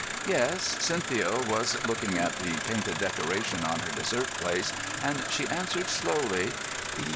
"Yes." Cynthia was looking at the painted decoration on her dessert plate, and she answered slowly.